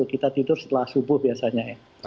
kita tidur setelah subuh biasanya ya